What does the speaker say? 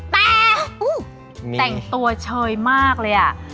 แต่แต่งตัวเชยมากเลยอ่ะ